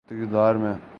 تو اقتدار میں۔